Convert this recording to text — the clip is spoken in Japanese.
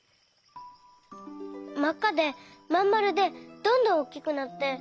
まっかでまんまるでどんどんおっきくなって。